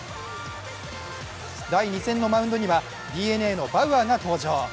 第２戦のマウンドにはＤｅＮＡのバウアーが登場。